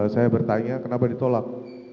saya bertanya kenapa ditolak